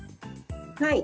はい。